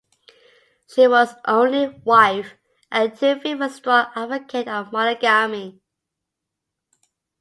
She was his only wife and Tewfik was a strong advocate of monogamy.